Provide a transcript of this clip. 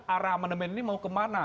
arah amandemen ini mau kemana